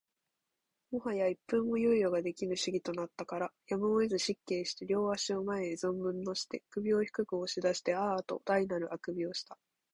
最早一分も猶予が出来ぬ仕儀となったから、やむをえず失敬して両足を前へ存分のして、首を低く押し出してあーあと大なる欠伸をした